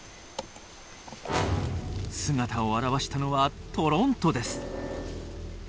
姿を現したのはトロントです。